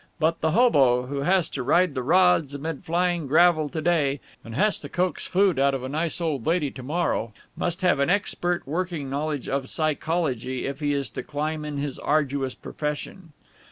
But the hobo, who has to ride the rods amid flying gravel to day, and has to coax food out of a nice old lady to morrow, must have an expert working knowledge of psychology if he is to climb in his arduous profession.